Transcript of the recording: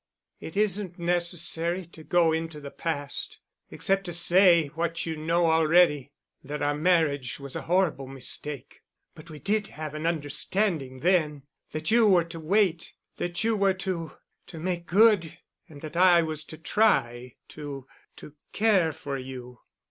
"It isn't necessary to go into the past, except to say what you know already—that our marriage was a horrible mistake. But we did have an understanding then—that you were to wait—that you were to—to make good—and that I was to try to—to care for you."